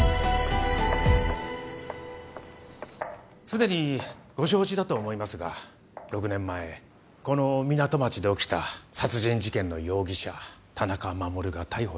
すでにご承知だと思いますが６年前この港町で起きた殺人事件の容疑者田中守が逮捕されました。